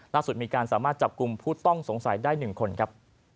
ล่าสุดมีการสามารถจับกลุ่มผู้ต้องสงสัยได้หนึ่งคนครับ